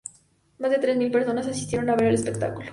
Más de tres mil personas asistieron a ver el espectáculo.